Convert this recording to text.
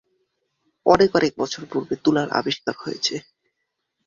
অনেক অনেক বছর পূর্বে তুলার আবিষ্কার হয়েছে।